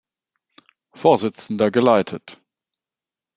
Vorsitzender geleitet.